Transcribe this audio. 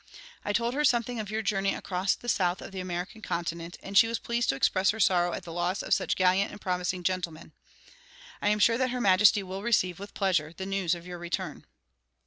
"I told her something of your journey across the south of the American continent, and she was pleased to express her sorrow at the loss of such gallant and promising gentlemen. I am sure that her majesty will receive, with pleasure, the news of your return.